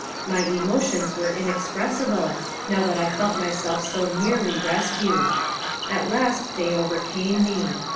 My emotions were inexpressible, now that I felt myself so nearly rescued. At last they overcame me.